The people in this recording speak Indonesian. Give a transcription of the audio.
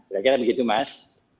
sudah kira begitu mas